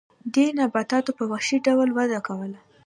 دې نباتاتو په وحشي ډول وده کوله.